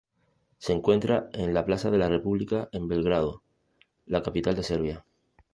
Se encuentra en la Plaza de la República, en Belgrado, la capital de Serbia.